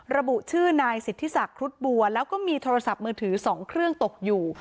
ระบุชื่อนายสิทธิศักดิ์ครุฑบัวแล้วก็มีโทรศัพท์มือถือ๒เครื่องตกอยู่